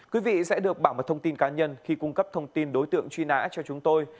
quý vị sẽ được bảo mật thông tin cá nhân khi cung cấp thông tin đối tượng truy nã cho chúng tôi